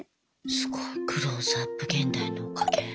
すごい「クローズアップ現代」のおかげ。